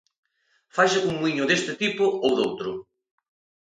¿Faise cun muíño deste tipo ou doutro?